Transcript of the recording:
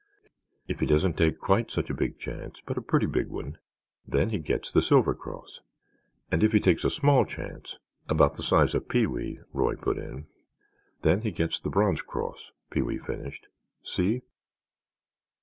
"If he doesn't take quite such a big chance but a pretty big one, then he gets the silver cross. And if he takes a small chance—" "About the size of Pee wee," Roy put in. "Then he gets the bronze cross," Pee wee finished. "See?"